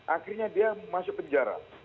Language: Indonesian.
akhirnya dia masuk penjara